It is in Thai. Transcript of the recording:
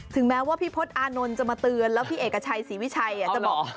แม้ว่าพี่พศอานนท์จะมาเตือนแล้วพี่เอกชัยศรีวิชัยจะบอก